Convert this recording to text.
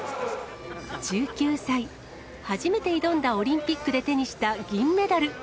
１９歳、初めて挑んだオリンピックで手にした銀メダル。